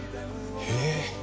へえ！